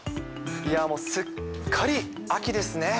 いや、もうすっかり秋ですね。